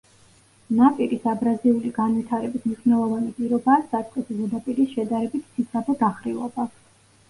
ნაპირის აბრაზიული განვითარების მნიშვნელოვანი პირობაა საწყისი ზედაპირის შედარებით ციცაბო დახრილობა.